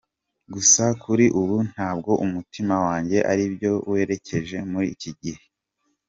Gusa kuri ubu ntabwo umutima wanjye ari byo werekejeho muri iki gihe.